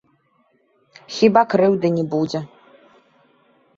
Хіба крыўды не будзе.